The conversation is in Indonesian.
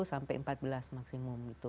sepuluh sampai empat belas maksimum